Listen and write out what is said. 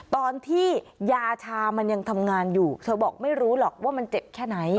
ตอนที่ยาชามันยังทำงานอยู่เธอบอกไม่รู้หรอกว่ามันเจ็บแค่ไหน